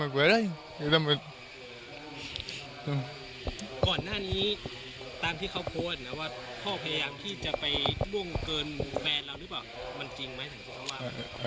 มันจริงไหมทำที่เขาบ้าน